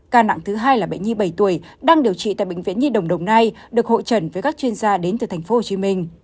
ca nặng thứ hai là bệnh nhi bảy tuổi đang điều trị tại bệnh viện nhi đồng đồng nai được hội trần với các chuyên gia đến từ tp hcm